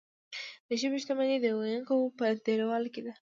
د ژبې شتمني د ویونکو په ډیروالي کې ده.